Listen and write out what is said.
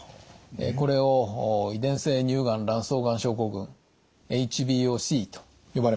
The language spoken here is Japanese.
これを遺伝性乳がん卵巣がん症候群ＨＢＯＣと呼ばれます。